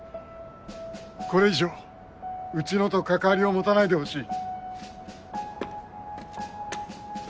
これ以上うちのと関わりを持たないでほしい。